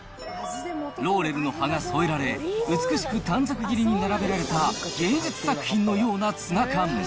ローレルの葉が添えられ、美しく短冊切りに並べられた芸術作品のようなツナ缶。